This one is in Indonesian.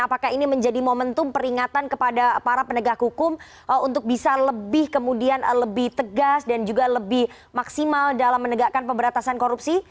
apakah ini menjadi momentum peringatan kepada para penegak hukum untuk bisa lebih kemudian lebih tegas dan juga lebih maksimal dalam menegakkan pemberantasan korupsi